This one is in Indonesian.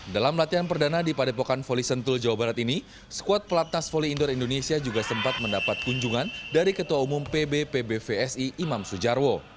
dalam latihan perdana di padepokan voli sentul jawa barat ini skuad pelatnas voli indoor indonesia juga sempat mendapat kunjungan dari ketua umum pb pbvsi imam sujarwo